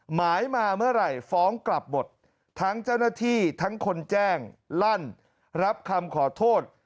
หมายมาเมื่อไหร่ฟ้องกลับหมดทั้งเจ้าหน้าที่ทั้งคนแจ้งลั่นรับคำขอโทษ